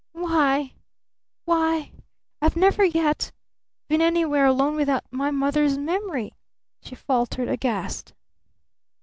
"Why why, I've never yet been anywhere alone without my mother's memory!" she faltered, aghast.